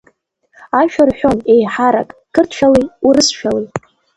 Ашәа рҳәон, еиҳарак, қырҭшәалеи урысшәалеи.